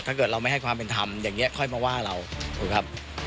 ถ้าเกิดเราไม่ให้ความเป็นธรรมอย่างนี้ค่อยมาว่าเราถูกครับ